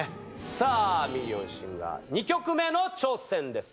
さぁ『ミリオンシンガー』２曲目の挑戦です。